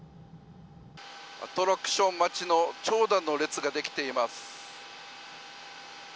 アトラクション待ちの長蛇の列ができています。